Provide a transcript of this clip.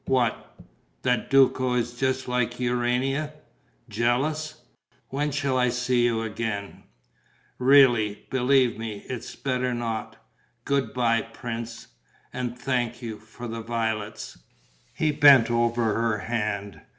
"What?" "That Duco is just like Urania." "Jealous?... When shall I see you again?" "Really, believe me, it's better not.... Good bye, prince. And thank you ... for the violets." He bent over her hand.